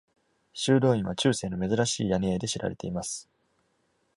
修道院は中世の珍しい屋根絵で知られています。